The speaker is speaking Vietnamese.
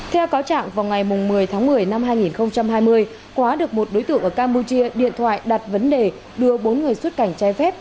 theo cáo trạng vào ngày một mươi tháng một mươi năm hai nghìn hai mươi quá được một đối tượng ở campuchia điện thoại đặt vấn đề đưa bốn người xuất cảnh trái phép